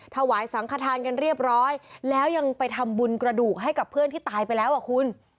ถวายสังขทานกันเรียบร้อยแล้วยังไปทำบุญกระดูกให้กับเพื่อนที่ตายไปแล้วอ่ะคุณ